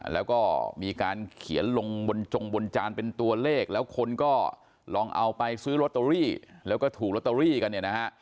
แล้วก็มีการเขียนลงบนจงบนจานเป็นตัวเลขแล้วคนก็ลองเอาไปซื้อลอตเตอรี่แล้วก็ถูกลอตเตอรี่กันเนี่ยนะฮะ